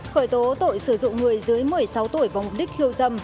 khởi tố tội sử dụng người dưới một mươi sáu tuổi vòng đích hiêu dâm